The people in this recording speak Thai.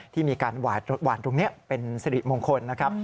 ที่มีการหวานตรงนี้เป็นสิริมงคลนะครับ